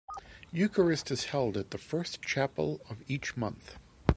Eucharist is held at the first chapel of each month.